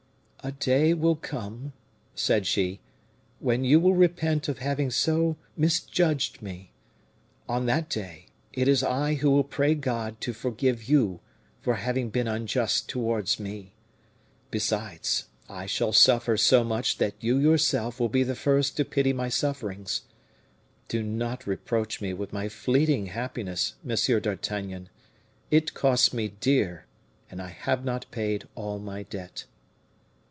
"A day will come," said she, "when you will repent of having so misjudged me. On that day, it is I who will pray God to forgive you for having been unjust towards me. Besides, I shall suffer so much that you yourself will be the first to pity my sufferings. Do not reproach me with my fleeting happiness, Monsieur d'Artagnan; it costs me dear, and I have not paid all my debt."